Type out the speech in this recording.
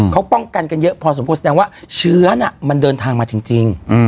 เขาป้องกันกันเยอะพอสมควรแสดงว่าเชื้อน่ะมันเดินทางมาจริง